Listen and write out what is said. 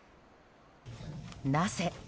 なぜ？